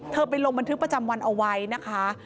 ไปลงบันทึกประจำวันเอาไว้นะคะ